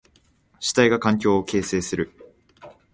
主体が環境を形成する。